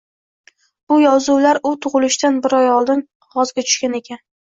bu yozuvlar u tugʻilishidan bir oy oldin qogʻozga tushgan ekan